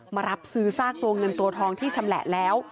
มารับซื้อซากตัวเงินตัวทองที่ชำแหละแล้ว